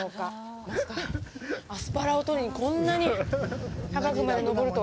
まさか、アスパラを取りにこんなに高くまで上るとは。